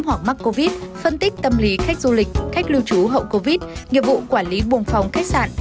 hoặc mắc covid phân tích tâm lý khách du lịch khách lưu trú hậu covid nghiệp vụ quản lý bùng phòng khách sạn